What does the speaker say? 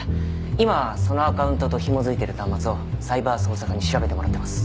今そのアカウントと紐付いてる端末をサイバー捜査課に調べてもらってます。